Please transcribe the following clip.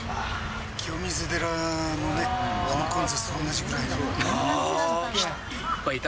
清水寺のね、あの混雑と同じぐらいだった。